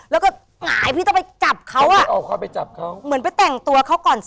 แล้วก็หงายพี่ต้องไปจับเขาอ่ะอ๋อเขาไปจับเขาเหมือนไปแต่งตัวเขาก่อนสิ